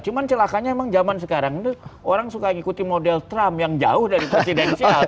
cuma celakanya memang zaman sekarang orang suka ikuti model trump yang jauh dari presidensial